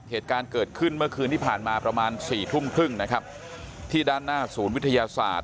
เหตุการณ์เกิดขึ้นเมื่อคืนที่ผ่านมาประมาณสี่ทุ่มครึ่งนะครับที่ด้านหน้าศูนย์วิทยาศาสตร์